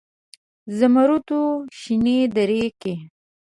زمرودو شنې درې کې